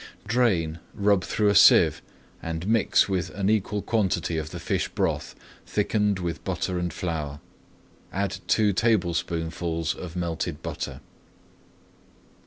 Drain, rub through [Page 215] a sieve, and mix with an equal quantity of the fish broth, thickened with butter and flour. Add two tablespoonfuls of melted butter.